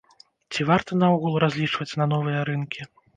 Ці варта наогул разлічваць на новыя рынкі?